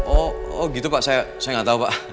oh oh gitu pak saya gak tau pak